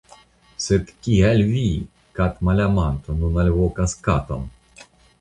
Sed kial vi, katmalamanto, nun alvokas katon?